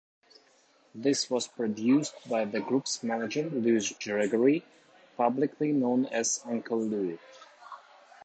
This was produced by the group's manager, Louis Gregory, publicly known as Uncle Louie.